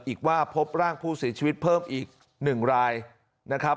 อีกว่าพบร่างผู้เสียชีวิตเพิ่มอีก๑รายนะครับ